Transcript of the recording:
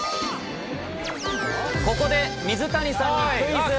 ここで、水谷さんにクイズ。